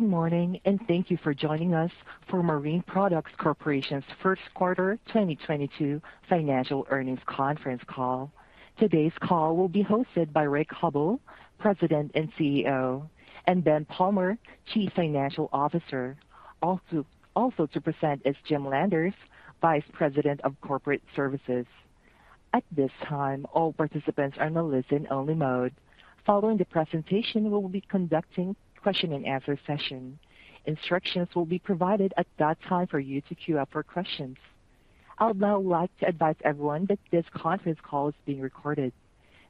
Good morning, and thank you for joining us for Marine Products Corporation's First Quarter 2022 Financial Earnings Conference Call. Today's call will be hosted by Rick Hubbell, President and CEO, and Ben Palmer, Chief Financial Officer. Also to present is Jim Landers, Vice President of Corporate Services. At this time, all participants are in a listen-only mode. Following the presentation, we will be conducting question and answer session. Instructions will be provided at that time for you to queue up for questions. I would now like to advise everyone that this conference call is being recorded.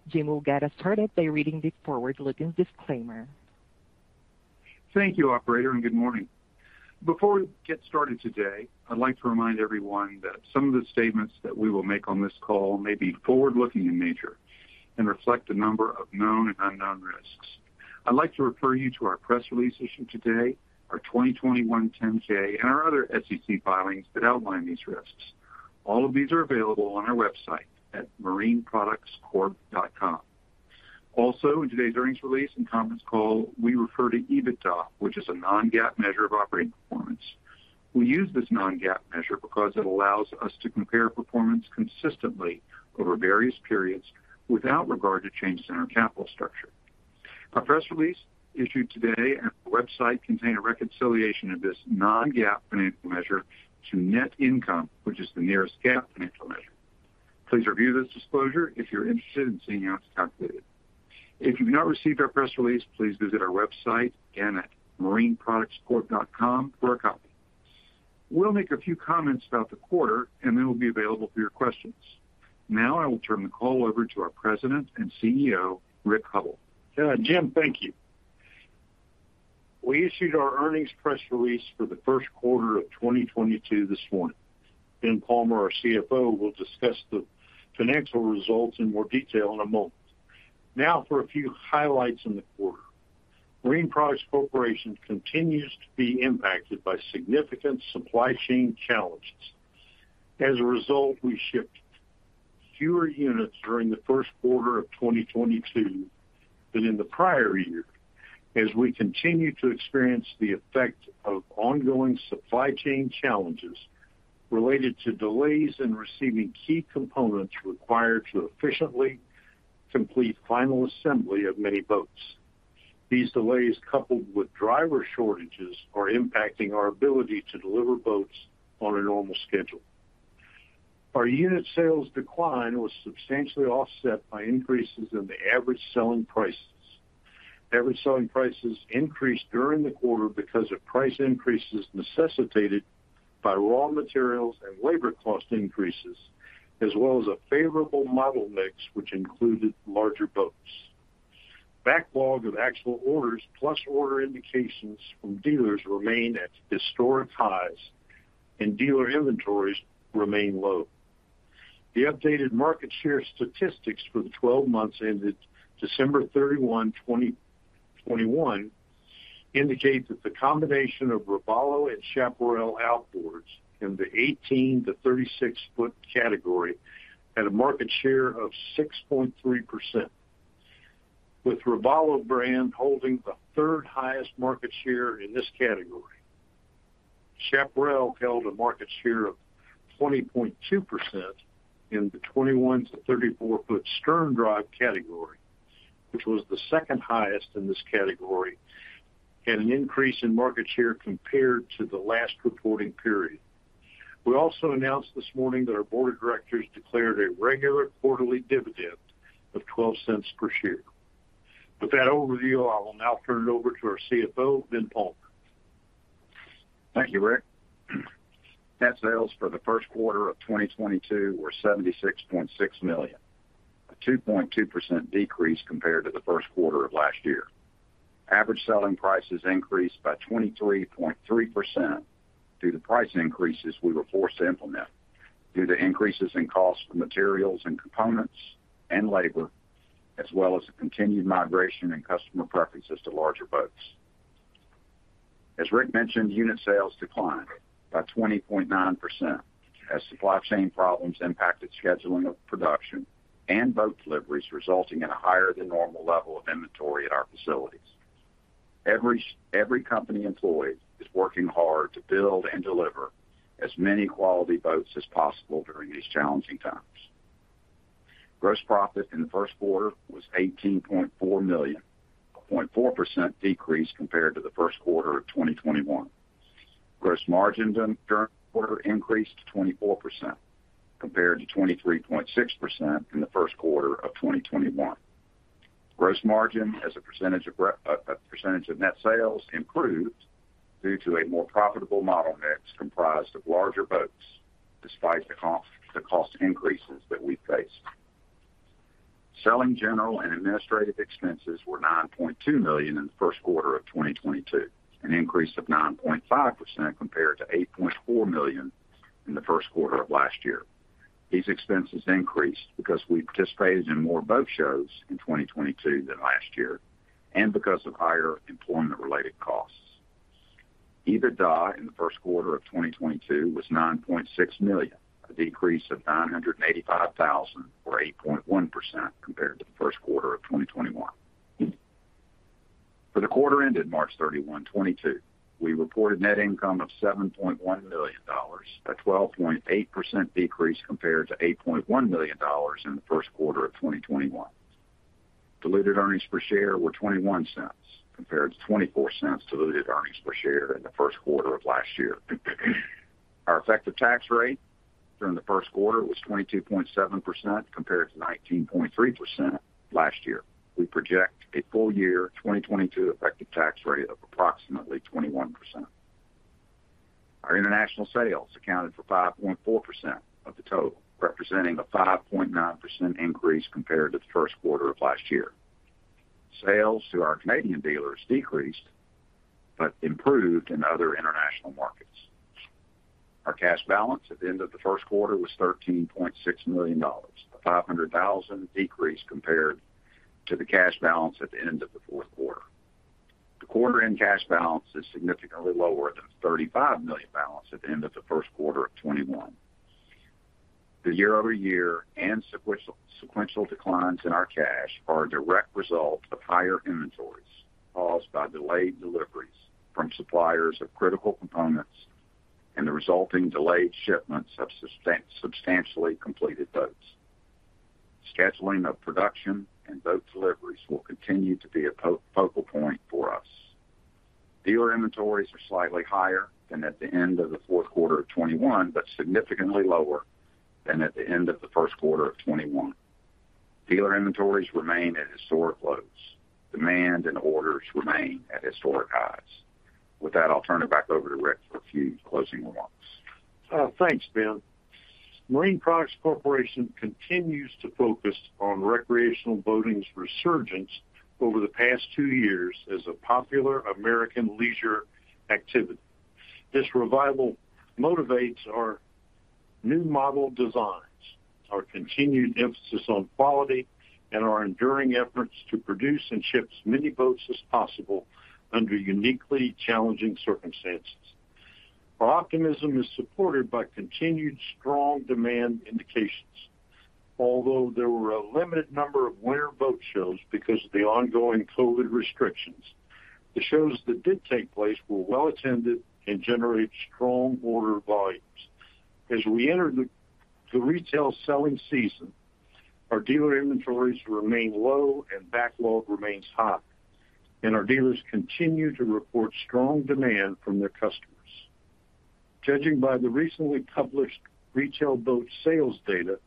Jim will get us started by reading the forward-looking disclaimer. Thank you, Operator, and good morning. Before we get started today, I'd like to remind everyone that some of the statements that we will make on this call may be forward-looking in nature and reflect a number of known and unknown risks. I'd like to refer you to our press release issued today, our 2021 10-K, and our other SEC filings that outline these risks. All of these are available on our website at marineproductscorp.com. Also, in today's earnings release and conference call, we refer to EBITDA, which is a non-GAAP measure of operating performance. We use this non-GAAP measure because it allows us to compare performance consistently over various periods without regard to changes in our capital structure. Our press release issued today at the website contain a reconciliation of this non-GAAP financial measure to net income, which is the nearest GAAP financial measure. Please review this disclosure if you're interested in seeing how it's calculated. If you've not received our press release, please visit our website again at marineproductscorp.com for a copy. We'll make a few comments about the quarter, and then we'll be available for your questions. Now I will turn the call over to our President and CEO, Rick Hubbell. Yeah, Jim, thank you. We issued our earnings press release for the first quarter of 2022 this morning. Ben Palmer, our CFO, will discuss the financial results in more detail in a moment. Now for a few highlights in the quarter. Marine Products Corporation continues to be impacted by significant supply chain challenges. As a result, we shipped fewer units during the first quarter of 2022 than in the prior year as we continue to experience the effect of ongoing supply chain challenges related to delays in receiving key components required to efficiently complete final assembly of many boats. These delays, coupled with driver shortages, are impacting our ability to deliver boats on a normal schedule. Our unit sales decline was substantially offset by increases in the average selling prices. Average selling prices increased during the quarter because of price increases necessitated by raw materials and labor cost increases, as well as a favorable model mix, which included larger boats. Backlog of actual orders plus order indications from dealers remain at historic highs, and dealer inventories remain low. The updated market share statistics for the 12 months ended December 31, 2021 indicate that the combination of Robalo and Chaparral Outboards in the 18 ft to 36 ft category had a market share of 6.3%, with Robalo brand holding the third highest market share in this category. Chaparral held a market share of 20.2% in the 21 ft to 34 ft sterndrive category, which was the second highest in this category, had an increase in market share compared to the last reporting period. We also announced this morning that our board of directors declared a regular quarterly dividend of $0.12 per share. With that overview, I will now turn it over to our CFO, Ben Palmer. Thank you, Rick. Net sales for the first quarter of 2022 were $76.6 million, a 2.2% decrease compared to the first quarter of last year. Average selling prices increased by 23.3% due to price increases we were forced to implement due to increases in cost for materials and components and labor, as well as the continued migration in customer preferences to larger boats. As Rick mentioned, unit sales declined by 20.9% as supply chain problems impacted scheduling of production and boat deliveries, resulting in a higher than normal level of inventory at our facilities. Every company employee is working hard to build and deliver as many quality boats as possible during these challenging times. Gross profit in the first quarter was $18.4 million, a 0.4% decrease compared to the first quarter of 2021. Gross margins in current quarter increased to 24% compared to 23.6% in the first quarter of 2021. Gross margin as a percentage of net sales improved due to a more profitable model mix comprised of larger boats despite the cost increases that we faced. Selling, general, and administrative expenses were $9.2 million in the first quarter of 2022, an increase of 9.5% compared to $8.4 million in the first quarter of last year. These expenses increased because we participated in more boat shows in 2022 than last year and because of higher employment-related costs. EBITDA in the first quarter of 2022 was $9.6 million, a decrease of $985 thousand or 8.1% compared to the first quarter of 2021. For the quarter ended March 31, 2022, we reported net income of $7.1 million, a 12.8% decrease compared to $8.1 million in the first quarter of 2021. Diluted earnings per share were $0.21 compared to 0.24 diluted earnings per share in the first quarter of last year. Our effective tax rate during the first quarter was 22.7% compared to 19.3% last year. We project a full year 2022 effective tax rate of approximately 21%. Our international sales accounted for 5.4% of the total, representing a 5.9% increase compared to the first quarter of last year. Sales to our Canadian dealers decreased but improved in other international markets. Our cash balance at the end of the first quarter was $13.6 million, a 500,000 decrease compared to the cash balance at the end of the fourth quarter. The quarter end cash balance is significantly lower than the $35 million balance at the end of the first quarter of 2021. The year-over-year and sequential declines in our cash are a direct result of higher inventories caused by delayed deliveries from suppliers of critical components and the resulting delayed shipments of substantially completed boats. Scheduling of production and boat deliveries will continue to be a focal point for us. Dealer inventories are slightly higher than at the end of the fourth quarter of 2021, but significantly lower than at the end of the first quarter of 2021. Dealer inventories remain at historic lows. Demand and orders remain at historic highs. With that, I'll turn it back over to Rick for a few closing remarks. Thanks, Ben. Marine Products Corporation continues to focus on recreational boating's resurgence over the past two years as a popular American leisure activity. This revival motivates our new model designs, our continued emphasis on quality, and our enduring efforts to produce and ship as many boats as possible under uniquely challenging circumstances. Our optimism is supported by continued strong demand indications. Although there were a limited number of winter boat shows because of the ongoing COVID restrictions, the shows that did take place were well attended and generated strong order volumes. As we enter the retail selling season, our dealer inventories remain low and backlog remains high, and our dealers continue to report strong demand from their customers. Judging by the recently published retail boat sales data,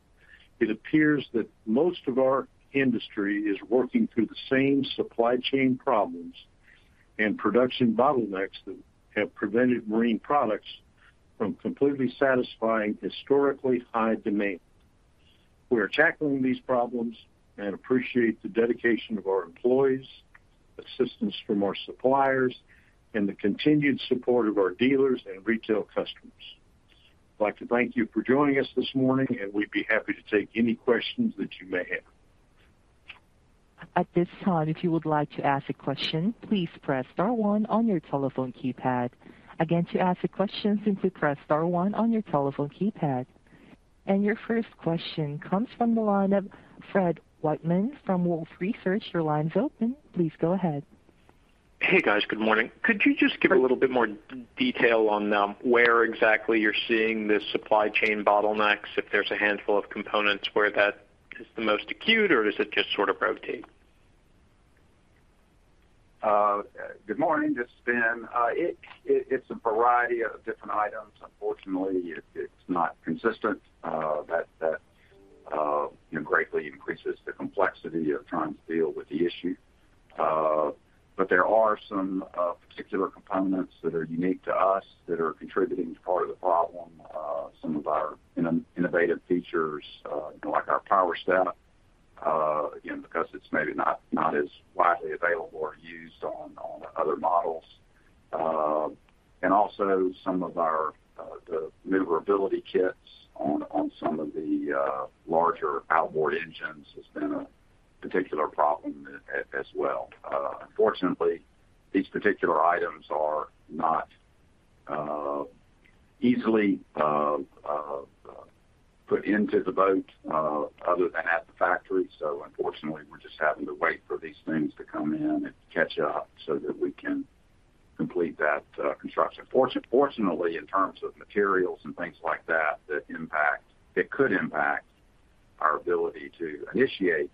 it appears that most of our industry is working through the same supply chain problems and production bottlenecks that have prevented Marine Products from completely satisfying historically high demand. We are tackling these problems and appreciate the dedication of our employees, assistance from our suppliers, and the continued support of our dealers and retail customers. I'd like to thank you for joining us this morning, and we'd be happy to take any questions that you may have. At this time, if you would like to ask a question, please press star one on your telephone keypad. Again, to ask a question, simply press star one on your telephone keypad. Your first question comes from the line of Fred Wightman from Wolfe Research. Your line's open. Please go ahead. Hey, guys. Good morning. Could you just give a little bit more detail on where exactly you're seeing the supply chain bottlenecks, if there's a handful of components where that is the most acute, or is it just sort of rotate? Good morning. This is Ben. It's a variety of different items. Unfortunately, it's not consistent. You know, that greatly increases the complexity of trying to deal with the issue. There are some particular components that are unique to us that are contributing to part of the problem. Some of our innovative features, you know, like our power step, again, because it's maybe not as widely available or used on other models. Also some of our maneuverability kits on some of the larger outboard engines has been a particular problem as well. Unfortunately, these particular items are not easily put into the boat other than at the factory. Unfortunately, we're just having to wait for these things to come in and catch up so that we can complete that construction. Fortunately, in terms of materials and things like that could impact our ability to initiate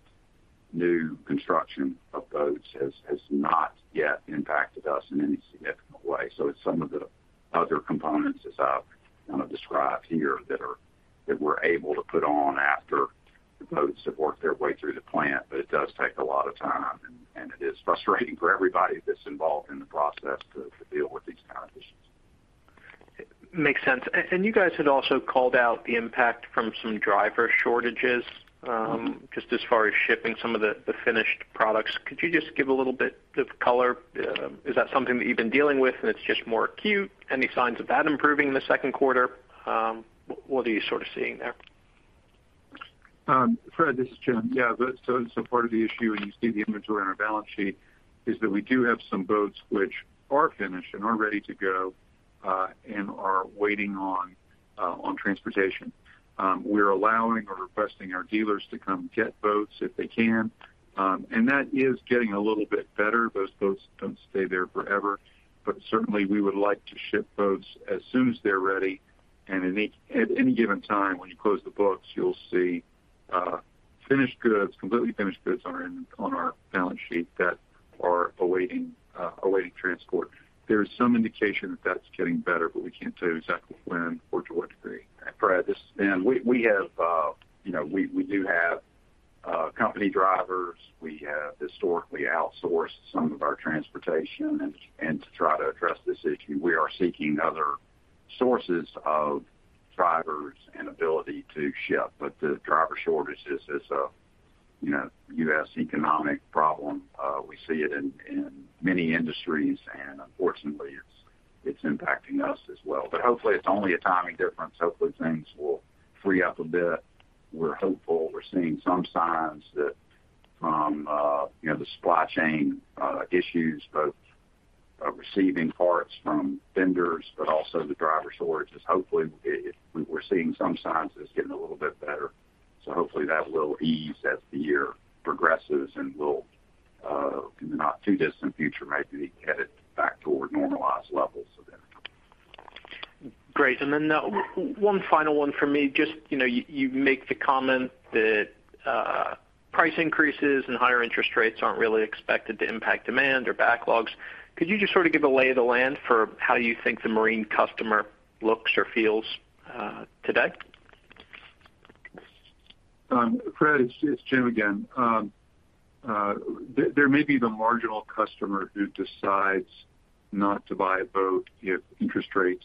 new construction of boats has not yet impacted us in any significant way. It's some of the other components, as I've kind of described here, that we're able to put on after the boats have worked their way through the plant. It does take a lot of time, and it is frustrating for everybody that's involved in the process to deal with these kind of issues. Makes sense. You guys had also called out the impact from some driver shortages? Just as far as shipping some of the finished products. Could you just give a little bit of color? Is that something that you've been dealing with and it's just more acute? Any signs of that improving in the second quarter? What are you sort of seeing there? Fred, this is Jim. Yeah. So part of the issue, and you see the inventory on our balance sheet, is that we do have some boats which are finished and are ready to go, and are waiting on transportation. We're allowing or requesting our dealers to come get boats if they can. And that is getting a little bit better. Those boats don't stay there forever. Certainly, we would like to ship boats as soon as they're ready. At any given time when you close the books, you'll see, finished goods, completely finished goods on our balance sheet that are awaiting transport. There is some indication that that's getting better, but we can't say exactly when or to what degree. Fred, this is Ben. We have, you know, we do have company drivers. We have historically outsourced some of our transportation. To try to address this issue, we are seeking other sources of drivers and ability to ship. The driver shortage is a, you know, U.S. economic problem. We see it in many industries, and unfortunately, it's impacting us as well. Hopefully, it's only a timing difference. Hopefully, things will free up a bit. We're hopeful. We're seeing some signs that come from the supply chain issues, both receiving parts from vendors, but also the driver shortage as well, it's getting a little bit better. Hopefully that will ease as the year progresses and will, in the not too distant future, maybe get it back toward normalized levels again. Great. One final one for me. Just, you know, you make the comment that price increases and higher interest rates aren't really expected to impact demand or backlogs. Could you just sort of give a lay of the land for how you think the marine customer looks or feels, today? Fred, it's Jim again. There may be the marginal customer who decides not to buy a boat if interest rates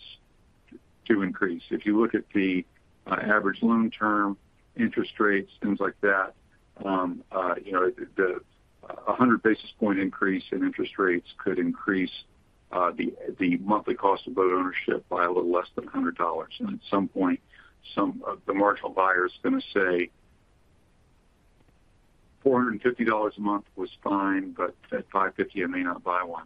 do increase. If you look at the average loan term interest rates, things like that, you know, the 100 basis point increase in interest rates could increase the monthly cost of boat ownership by a little less than $100. At some point, some of the marginal buyer's gonna say, "$450 a month was fine, but at $550, I may not buy one.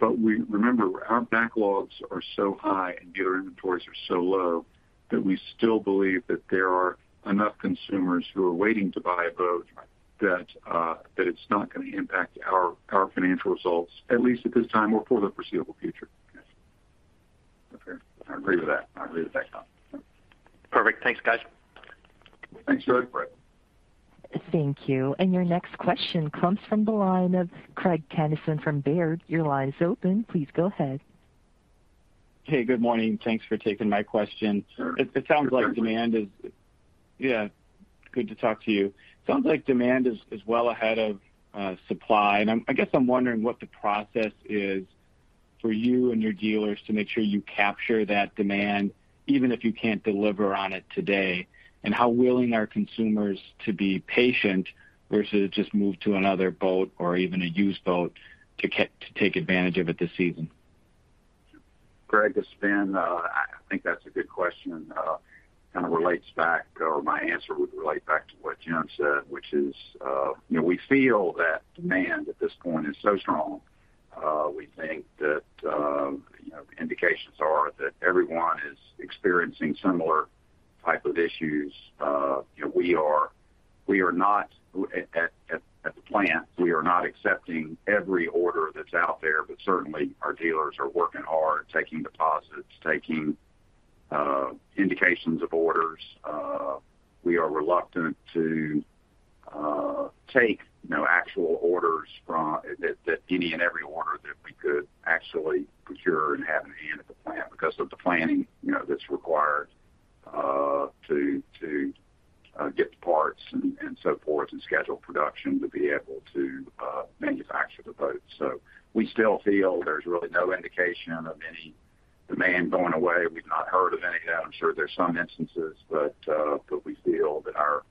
Remember, our backlogs are so high and dealer inventories are so low that we still believe that there are enough consumers who are waiting to buy a boat that that it's not gonna impact our financial results, at least at this time or for the foreseeable future. Okay. I agree with that. I agree with that, Tom. Perfect. Thanks, guys. Thanks, Fred. Thank you. Your next question comes from the line of Craig Kennison from Baird. Your line is open. Please go ahead. Hey, good morning. Thanks for taking my question. Sure. Yeah. Good to talk to you. Sounds like demand is well ahead of supply. I guess I'm wondering what the process is for you and your dealers to make sure you capture that demand, even if you can't deliver on it today. How willing are consumers to be patient versus just move to another boat or even a used boat to take advantage of it this season? Craig, this is Ben. I think that's a good question. Kind of relates back or my answer would relate back to what Jim said, which is, you know, we feel that demand at this point is so strong, we think that, you know, the indications are that everyone is experiencing similar type of issues. You know, we are not at the plant, we are not accepting every order that's out there. Certainly, our dealers are working hard, taking deposits, taking indications of orders. We are reluctant to take, you know, actual orders from. That any and every order that we could actually procure and have in hand at the plant because of the planning, you know, that's required to get the parts and so forth and schedule production to be able to manufacture the boats. We still feel there's really no indication of any demand going away. We've not heard of any of that. I'm sure there's some instances, but we feel that our,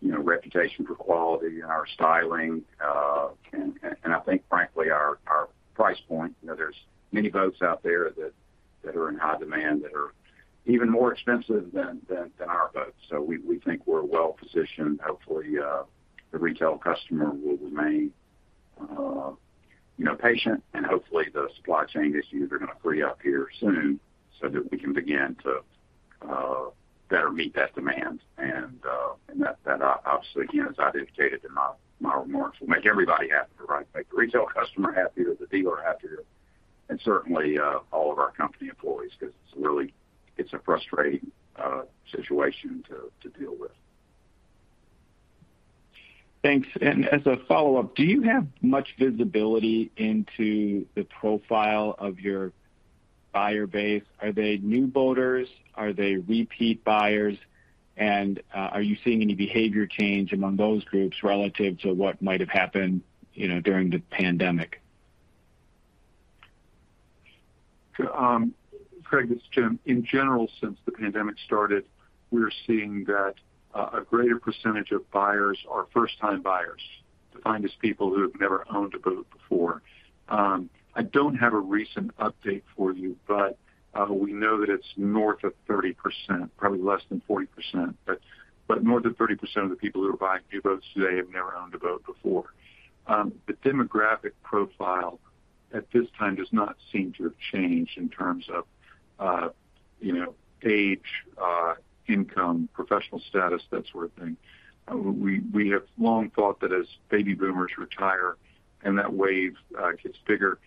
you know, reputation for quality and our styling and I think frankly our price point. You know, there's many boats out there that are in high demand that are even more expensive than our boats. We think we're well-positioned. Hopefully the retail customer will remain, you know, patient. Hopefully, the supply chain issues are gonna free up here soon so that we can begin to better meet that demand. And that obviously, again, as I've indicated in my remarks, will make everybody happy, right? Make the retail customer happier, the dealer happier, and certainly all of our company employees, 'cause it's really a frustrating situation to deal with. Thanks. As a follow-up, do you have much visibility into the profile of your buyer base? Are they new boaters? Are they repeat buyers? Are you seeing any behavior change among those groups relative to what might have happened, you know, during the pandemic? Craig, this is Jim. In general, since the pandemic started, we're seeing that a greater percentage of buyers are first-time buyers, defined as people who have never owned a boat before. I don't have a recent update for you, but we know that it's north of 30%, probably less than 40%. More than 30% of the people who are buying new boats today have never owned a boat before. The demographic profile at this time does not seem to have changed in terms of you know, age, income, professional status, that sort of thing. We have long thought that as baby boomers retire and that wave gets bigger,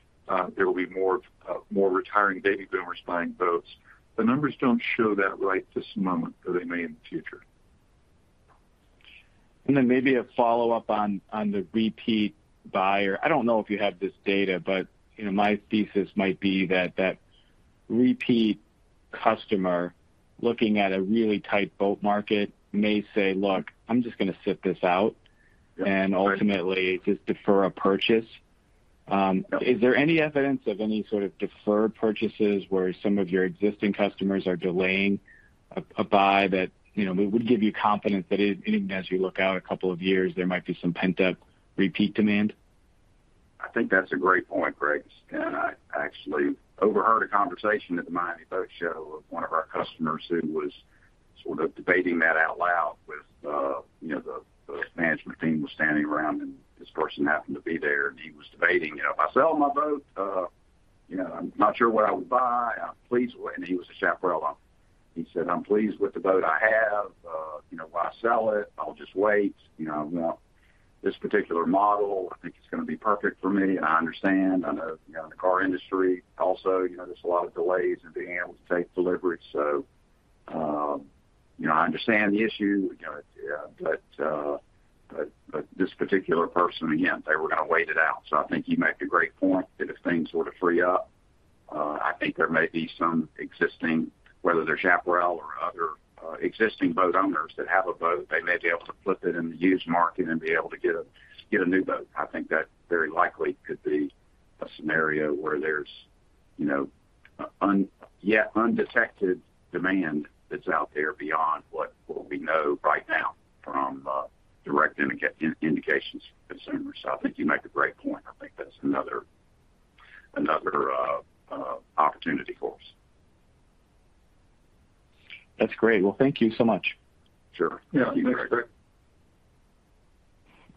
there will be more retiring baby boomers buying boats. The numbers don't show that right this moment, but they may in the future. Then maybe a follow-up on the repeat buyer. I don't know if you have this data, but you know, my thesis might be that repeat customer looking at a really tight boat market may say, "Look, I'm just gonna sit this out," and ultimately just defer a purchase. Is there any evidence of any sort of deferred purchases where some of your existing customers are delaying a buy that, you know, would give you confidence that even as you look out a couple of years, there might be some pent-up repeat demand? I think that's a great point, Craig, and I actually overheard a conversation at the Miami Boat Show of one of our customers who was sort of debating that out loud with, you know, the management team was standing around, and this person happened to be there, and he was debating, you know, "If I sell my boat, you know, I'm not sure what I would buy. I'm pleased with it." And he was a Chaparral owner. He said, "I'm pleased with the boat I have. You know, why sell it? I'll just wait. You know, I want this particular model. I think it's gonna be perfect for me. And I understand. I know, you know, in the car industry also, you know, there's a lot of delays in being able to take delivery. You know, I understand the issue. You know, this particular person, again, they were gonna wait it out. I think you make a great point that if things sort of free up, I think there may be some existing, whether they're Chaparral or other, existing boat owners that have a boat, they may be able to flip it in the used market and be able to get a new boat. I think that very likely could be a scenario where there's, you know, undetected demand that's out there beyond what we know right now from direct indications from consumers. I think you make a great point. I think that's another opportunity for us. That's great. Well, thank you so much. Sure. Yeah. Thanks, Craig.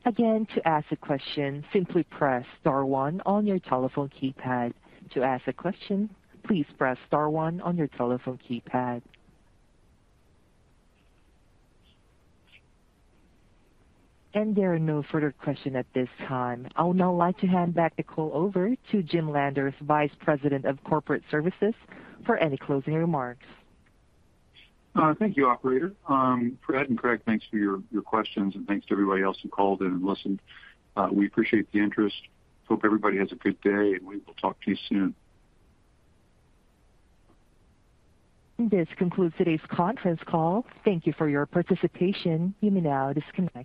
Again, to ask a question, simply press star one on your telephone keypad. To ask a question, please press star one on your telephone keypad. There are no further questions at this time. I would now like to hand back the call over to Jim Landers, Vice President of Corporate Services, for any closing remarks. Thank you, operator. Fred and Craig, thanks for your questions, and thanks to everybody else who called in and listened. We appreciate the interest. Hope everybody has a good day, and we will talk to you soon. This concludes today's conference call. Thank you for your participation. You may now disconnect.